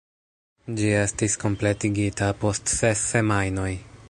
Ĝi estis kompletigita post ses semajnoj.